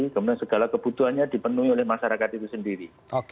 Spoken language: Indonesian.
kemudian segala kebutuhannya dipenuhi oleh masyarakat itu sendiri